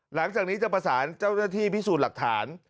หลังจากนี้จะประสานเจ้าหน้าที่พิสูจน์หลักฐาน